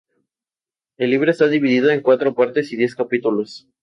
Los nacimientos ocurren de enero a marzo.